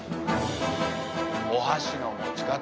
お箸の持ち方。